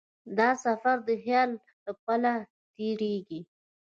دا سفر د خیال له پله تېرېږي.